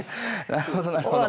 なるほどなるほど。